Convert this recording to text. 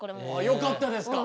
よかったですか？